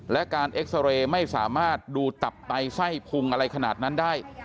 และการเอ็กซาเรย์ไม่สามารถดูตับไตไส้พุงอะไรขนาดนั้นได้